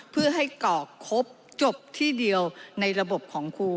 เพื่อให้กรอกครบจบที่เดียวในระบบของครู